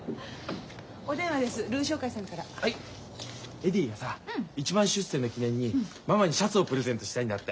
エディがさ一番出世の記念にママにシャツをプレゼントしたいんだって。